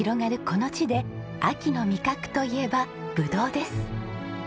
この地で秋の味覚といえばブドウです。